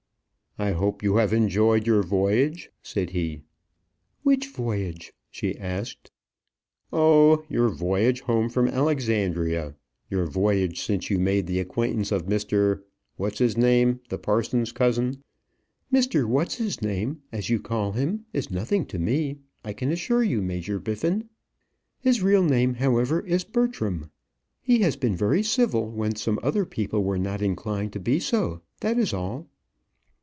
"I hope you have enjoyed your voyage," said he. "Which voyage?" she asked. "Oh! your voyage home from Alexandria your voyage since you made the acquaintance of Mr. what's his name, the parson's cousin?" "Mr. What's his name, as you call him, is nothing to me, I can assure you, Major Biffin. His real name, however, is Bertram. He has been very civil when some other people were not inclined to be so, that is all."